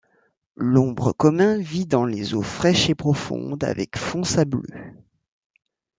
L'ombre commun vit dans les eaux fraîches et profondes avec fond sableux.